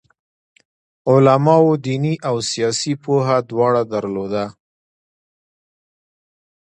علماوو دیني او سیاسي پوهه دواړه درلوده.